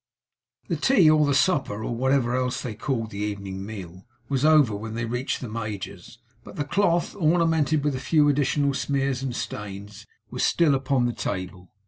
The tea, or the supper, or whatever else they called the evening meal, was over when they reached the Major's; but the cloth, ornamented with a few additional smears and stains, was still upon the table.